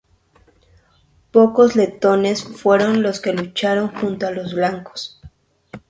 Pocos letones fueron los que lucharon junto a los blancos.